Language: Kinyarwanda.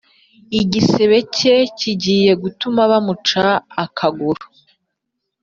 igisebe cye kigiye gutuma bamuca akaguru